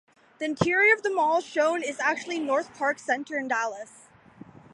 The interior of the mall shown is actually NorthPark Center in Dallas.